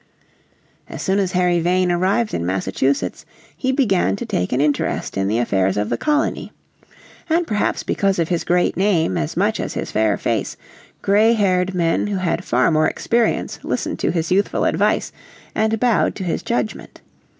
As soon as Harry Vane arrived in Massachusetts he began to take an interest in the affairs of the colony. And perhaps because of his great name as much as his fair face, grey haired men who had far more experience listened to, his youthful advice and bowed to his judgment.